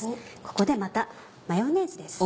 ここでまたマヨネーズです。